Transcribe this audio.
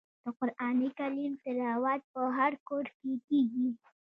د قران کریم تلاوت په هر کور کې کیږي.